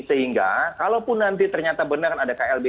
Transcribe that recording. sehingga kalau pun nanti ternyata benar ada klb